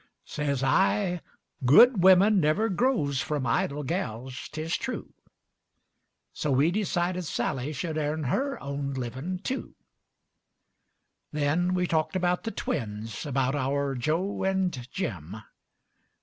Sez I, "Good wimmen never grows Frum idle gals, 'tis true;" So we decided Sally should Airn her own livin' too. And then we talked about the twins, About our Joe and Jim.